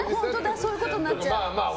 そういうことになっちゃう。